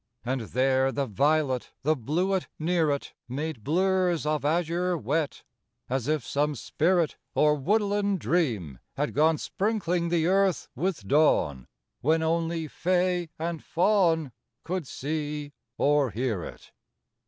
II And there the violet, The bluet near it, Made blurs of azure wet As if some spirit, Or woodland dream, had gone Sprinkling the earth with dawn, When only Fay and Faun Could see or hear it.